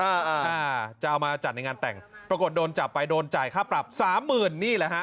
อ่าจะเอามาจัดในงานแต่งปรากฏโดนจับไปโดนจ่ายค่าปรับสามหมื่นนี่แหละฮะ